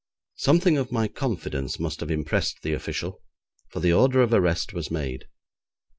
Something of my confidence must have impressed the official, for the order of arrest was made.